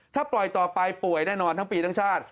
ถ้าปล่อยต่อไปป่วยแน่นอนทั้งปีทั้งชาติ